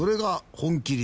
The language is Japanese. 本麒麟